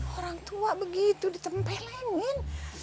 orang tua begitu ditempelenin